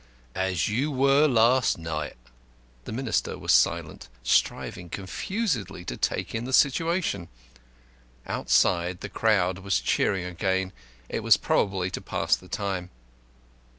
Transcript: "As you were last night." The Minister was silent, striving confusedly to take in the situation. Outside the crowd was cheering again. It was probably to pass the time.